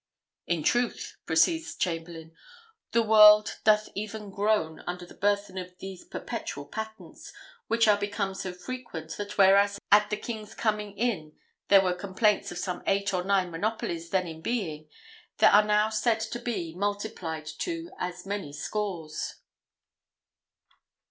"] "In truth," proceeds Chamberlain, "the world doth even groan under the burthen of these perpetual patents, which are become so frequent, that whereas at the king's coming in there were complaints of some eight or nine monopolies then in being, they are now said to be multiplied to as many scores."